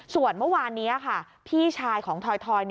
ส่วนเมื่อวานนี้ค่ะพี่ชายของถอย